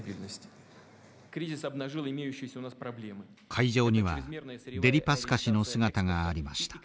会場にはデリパスカ氏の姿がありました。